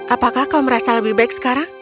apakah kau merasa lebih baik sekarang